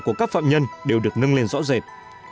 của các phạm nhân đều được nâng lên rõ rệt